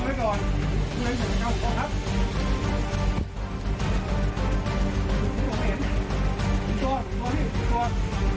เดินออกมาได้เลยชูมือก่อนชูมือไว้ก่อน